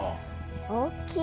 大きい！